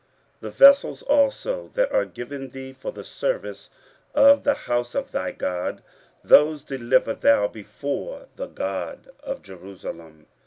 15:007:019 The vessels also that are given thee for the service of the house of thy God, those deliver thou before the God of Jerusalem.